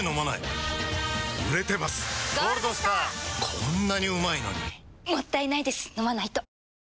こんなにうまいのにもったいないです、飲まないと。